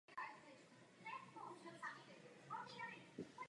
Stuarta.